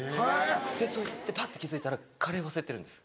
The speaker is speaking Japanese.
それでパッて気付いたらカレー忘れてるんです。